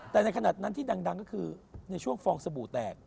แต่ในขณะนั้นที่ดังก็คือในช่วงฟองสบู่แตก